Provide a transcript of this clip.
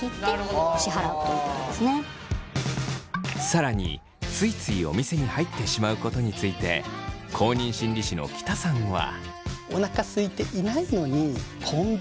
さらについついお店に入ってしまうことについて公認心理師の喜田さんは。